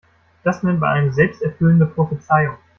Das nennt man eine selbsterfüllende Prophezeiung.